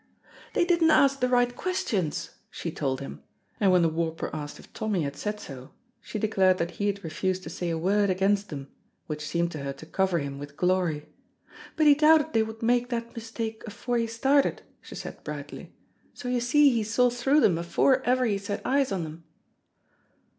"They didna ask the right questions," she told him, and when the warper asked if Tommy had said so, she declared that he had refused to say a word against them, which seemed to her to cover him with glory. "But he doubted they would make that mistake afore he started, she said brightly, so you see he saw through them afore ever he set eyes on them."